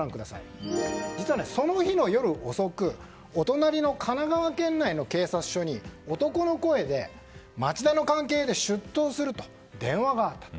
実は、その日の夜遅くお隣の神奈川県内の警察署に男の声で町田の関係で出頭すると電話があったと。